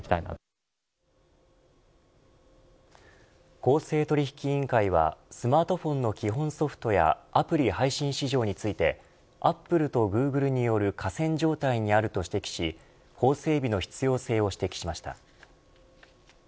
公正取引委員会はスマートフォンの基本ソフトやアプリ配信市場についてアップルとグーグルによる寡占状態にあると指摘し法整備の必要性を指摘しました。